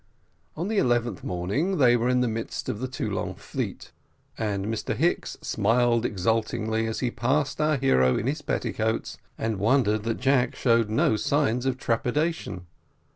On the eleventh morning they were in the midst of the Toulon fleet, and Mr Hicks smiled exultingly as he passed our hero in his petticoats, and wondered that Jack showed no signs of trepidation.